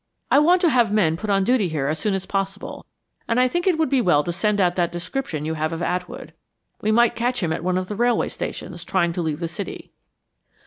"I want to have men put on duty here as soon as possible, and I think it would be well to send out that description you have of Atwood. We might catch him at one of the railway stations, trying to leave the city."